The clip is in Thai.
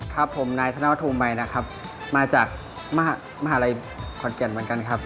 ครับผมนายธนวทุมใหม่นะครับมาจากมหาลัยขอนแก่นเหมือนกันครับ